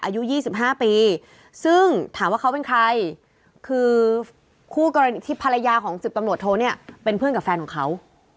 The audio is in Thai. อายุ๒๕ปีซึ่งถามว่าเขาเป็นใครคือคู่กรณีที่ภรรยาของ๑๐ตำรวจโทเนี่ยเป็นเพื่อนกับแฟนของเขา